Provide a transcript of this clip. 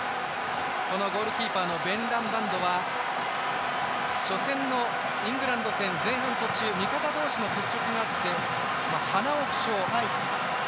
ゴールキーパーのベイランバンドは初戦のイングランド戦、途中味方同士の接触があって鼻を負傷。